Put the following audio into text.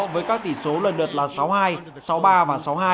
với các tỷ số lần lượt là sáu hai sáu ba và sáu hai